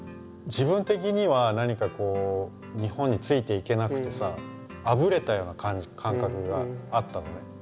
自分的には何かこう日本についていけなくてさあぶれたような感覚があったのね。